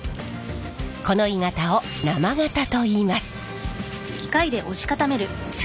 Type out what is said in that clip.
この鋳型を生型といいます。